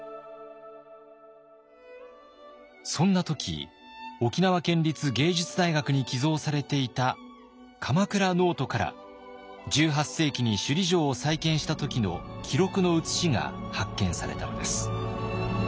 そんな時沖縄県立芸術大学に寄贈されていた鎌倉ノートから１８世紀に首里城を再建した時の記録の写しが発見されたのです。